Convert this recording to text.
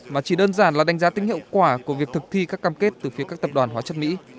mà chỉ đơn giản là đánh giá tính hiệu quả của việc thực thi các cam kết từ phía các tập đoàn hóa chất mỹ